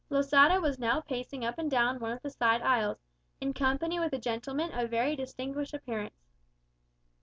Losada was now pacing up and down one of the side aisles, in company with a gentleman of very distinguished appearance.